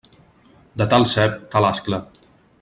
De tal cep, tal ascla.